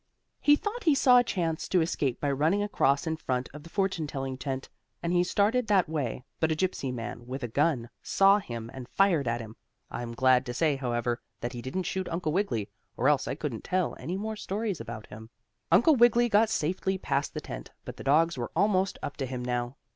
He thought he saw a chance to escape by running across in front of the fortune telling tent, and he started that way, but a Gypsy man, with a gun, saw him and fired at him. I'm glad to say, however, that he didn't shoot Uncle Wiggily, or else I couldn't tell any more stories about him. Uncle Wiggily got safely past the tent, but the dogs were almost up to him now.